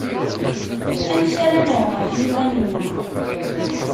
Amek ara nerr ɣef yiman-nneɣ?